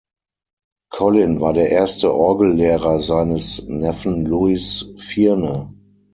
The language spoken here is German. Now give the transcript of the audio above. Colin war der erste Orgel-Lehrer seines Neffen Louis Vierne.